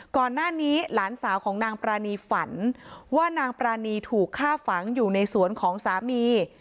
ก่อนหน้านี้หลานสาวของนางปรานีฝันว่านางปรานีถูกฆ่าฝังอยู่ในสวนของสามี